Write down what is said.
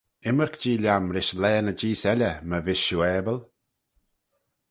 Ymmyrk-jee lhiam rish laa ny jees elley my vees shiu abyl.